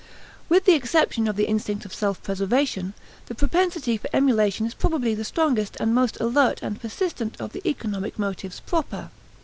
With the exception of the instinct of self preservation, the propensity for emulation is probably the strongest and most alert and persistent of the economic motives proper.